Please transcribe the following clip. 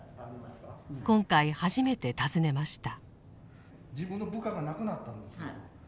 今回初めて訪ねました。